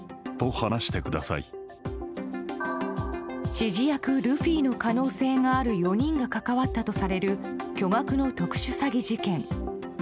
指示役ルフィの可能性がある４人が関わったとされる巨額の特殊詐欺事件。